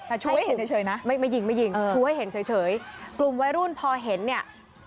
แต่ช่วยเห็นเฉยนะไม่ไม่ยิงไม่ยิงชูให้เห็นเฉยกลุ่มวัยรุ่นพอเห็นเนี่ย